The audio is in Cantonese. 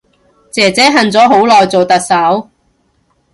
姐姐恨咗好耐做特首